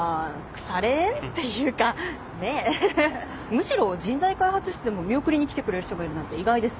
むしろ人材開発室でも見送りに来てくれる人がいるなんて意外です。